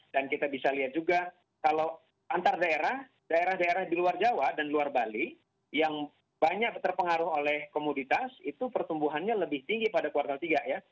dan kita bisa lihat juga kalau antar daerah daerah daerah di luar jawa dan luar bali yang banyak terpengaruh oleh komoditas itu pertumbuhannya lebih tinggi pada kuartal tiga ya